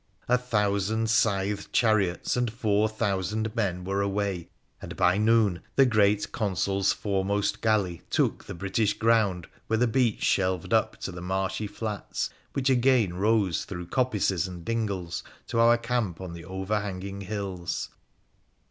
A thousand scythed chariots and four thousand men were away, and by noon the great Consul's foremost galley took the British ground where the beach shelved up to the marshy flats, which again rose, through coppices and dingles, to our camp on the over hanging hills.